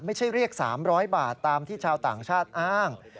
ไม่ใช่เรียก๓๐๐บาทตามที่ชาวต่างชาติอ้าง